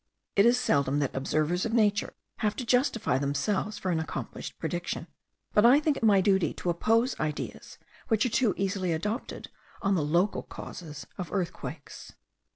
It is seldom that observers of nature have to justify themselves for an accomplished prediction; but I think it my duty to oppose ideas which are too easily adopted on the LOCAL CAUSES of earthquakes.